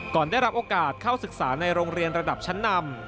ได้รับโอกาสเข้าศึกษาในโรงเรียนระดับชั้นนำ